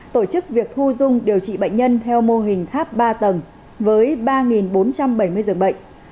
tổ chức việc thu dung điều trị bệnh nhân theo mô hình tháp ba tầng với ba bốn trăm bảy mươi giường bệnh